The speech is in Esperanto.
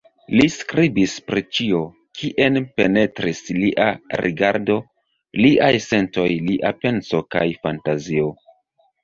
Li skribis pri ĉio, kien penetris lia rigardo, liaj sentoj, lia penso kaj fantazio.